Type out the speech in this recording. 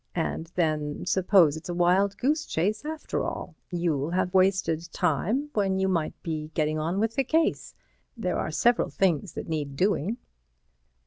And, then, suppose it's a wild goose chase after all, you'll have wasted time when you might have been getting on with the case. There are several things that need doing."